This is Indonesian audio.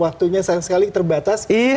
waktunya sayang sekali terbatas